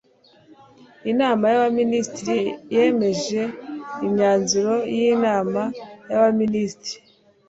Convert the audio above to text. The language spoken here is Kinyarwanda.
inama y'abaminisitiri yemeje imyanzuro y'inama y'abaminisitiri